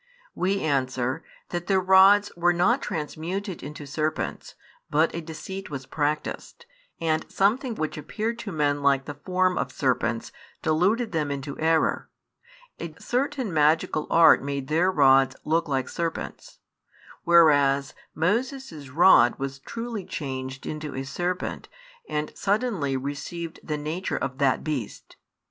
We answer that their rods were not transmuted into serpents, but a deceit was practised, and something which appeared to men like the form of serpents deluded them into error; a certain magical art made their rods look like serpents: whereas Moses' rod was truly changed into a serpent and suddenly |52 received the nature of that beast.